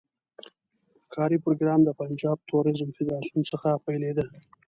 کاري پروګرام د پنجاب توریزم فدراسیون څخه پیلېده.